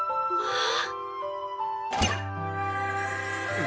ああ！